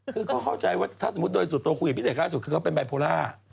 คือเขาเข้าใจว่าถ้าสมมุติโดยสุดโตผู้หญิงนี้พี่เสกราดสุดก็จะเป็นแบคโพล่า